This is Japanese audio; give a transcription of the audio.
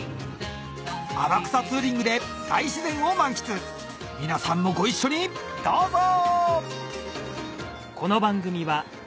天草ツーリングで大自然を満喫皆さんもご一緒にどうぞ！